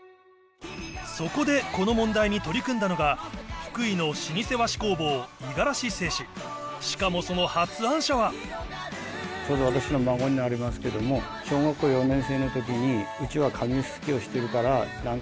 そこでこの問題に取り組んだのが福井の老舗和紙工房しかもその発案者はちょうど私の孫になりますけども小学校４年生の時にうちは。